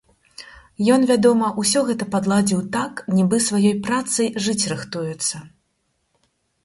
Ён, вядома, усё гэта падладзіў так, нібы сваёй працай жыць рыхтуецца.